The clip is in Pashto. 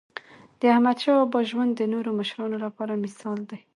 داحمدشاه بابا ژوند د نورو مشرانو لپاره مثال دی.